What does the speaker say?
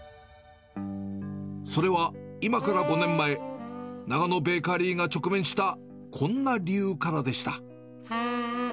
それは今から５年前、長野ベーカリーが直面した、こんな理由からでした。